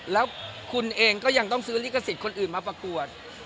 แล้วคุณเองก็ยังต้องซื้อลิขสิทธิ์คนอื่นมาประกวด